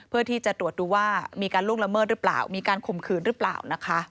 เพื่อที่จะตรวจดูว่ามีการล่วงละเมิดหรือเปล่ามีการข่มขืนหรือเปล่านะคะ